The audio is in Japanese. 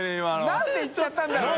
何でいっちゃったんだろう？